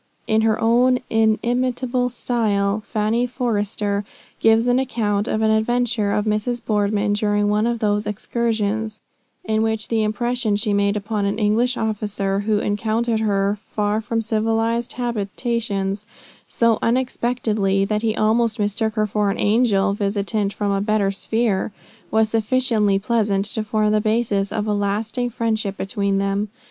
In her own inimitable style "Fanny Forrester" gives an account of an adventure of Mrs. Boardman during one of these excursions; in which the impression she made upon an English officer who encountered her far from civilized habitations, so unexpectedly that he almost mistook her for an angel visitant from a better sphere, was sufficiently pleasant to form the basis of a lasting friendship between them.